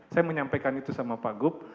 saya menyampaikan itu sama pak gup